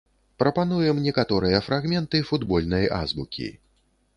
Прапануем некаторыя фрагменты футбольнай азбукі.